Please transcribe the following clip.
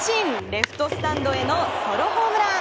レフトスタンドへのソロホームラン。